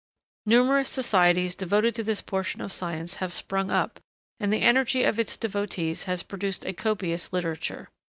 Numerous societies devoted to this portion of science have sprung up, and the energy of its devotees has produced a copious literature.